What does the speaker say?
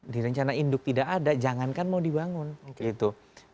di rencana induk tidak ada jangankan mau dibangun gitu